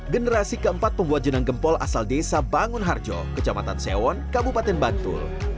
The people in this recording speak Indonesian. generasi keempat pembuat jenang gempol asal desa bangun harjo kecamatan sewon kabupaten bantul